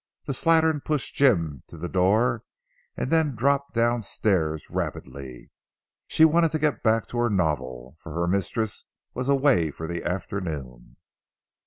The slattern pushed Jim to the door and then dropped down stairs rapidly. She wanted to get back to her novel, for her mistress was away for the afternoon.